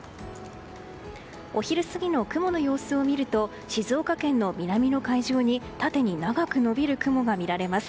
お昼過ぎの雲の様子を見ると静岡県の南の海上に縦に長く延びる雲が見られます。